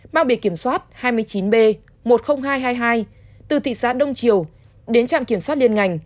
mang bề kiểm soát hai mươi chín b một mươi nghìn hai trăm hai mươi hai từ thị xã đông triều đến trạm kiểm soát liên ngành